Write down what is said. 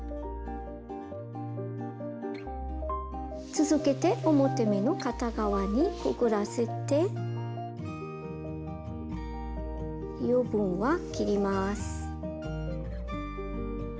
続けて表目の片側にくぐらせて余分は切ります。